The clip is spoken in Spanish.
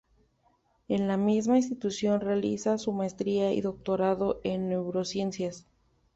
En la misma institución realizó su Maestría y Doctorado en Neurociencias.